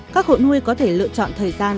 các hội nuôi có thể lựa chọn thời gian